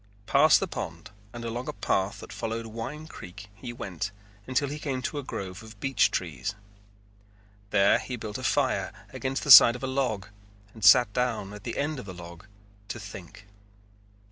Past the pond and along a path that followed Wine Creek he went until he came to a grove of beech trees. There he built a fire against the side of a log and sat down at the end of the log to think.